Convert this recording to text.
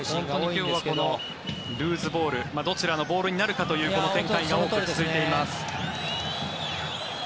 今日はルーズボールどちらのボールになるかというこの展開が多く続いています。